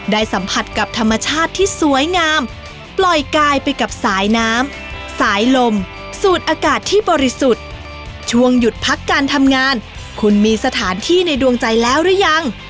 สัมผัสกับธรรมชาติที่สวยงามปล่อยกายไปกับสายน้ำสายลมสูดอากาศที่บริสุทธิ์ช่วงหยุดพักการทำงานคุณมีสถานที่ในดวงใจแล้วหรือยัง